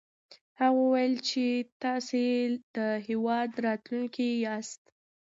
هغه وويل چې تاسې د هېواد راتلونکی ياست.